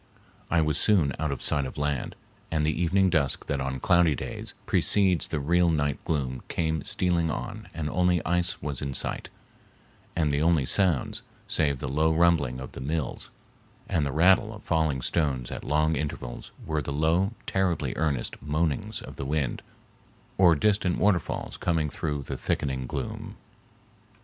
I was soon out of sight of land, and the evening dusk that on cloudy days precedes the real night gloom came stealing on and only ice was in sight, and the only sounds, save the low rumbling of the mills and the rattle of falling stones at long intervals, were the low, terribly earnest moanings of the wind or distant waterfalls coming through the thickening gloom.